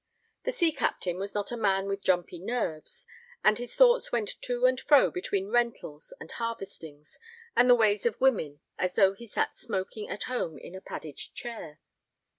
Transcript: The sea captain was not a man with jumpy nerves, and his thoughts went to and fro between rentals and harvestings and the ways of women as though he sat smoking at home in a padded chair.